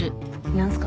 何すか？